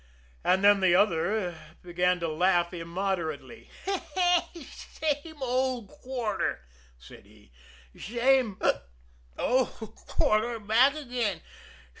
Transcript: And then the other began to laugh immoderately. "Same ol' quarter," said he. "Same hic! ol' quarter back again.